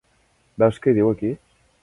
Veus què hi diu, aquí?